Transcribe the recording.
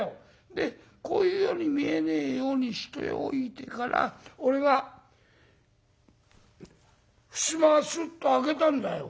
でこういうように見えねえようにしておいてから俺が襖をスッと開けたんだよ。